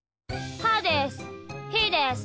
はーです。